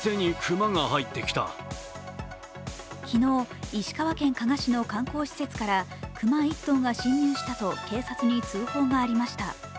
昨日、石川県加賀市の観光施設から熊１頭が侵入したと警察に通報がありました。